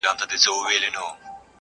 د ساحل روڼو اوبو کي؛